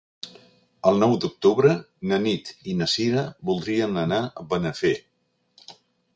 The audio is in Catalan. El nou d'octubre na Nit i na Cira voldrien anar a Benafer.